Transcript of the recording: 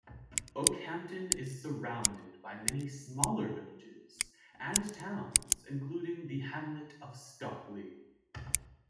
Okehampton is surrounded by many smaller villages and towns including the hamlet of Stockley.